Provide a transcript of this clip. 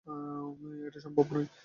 এটা সম্ভব নয়।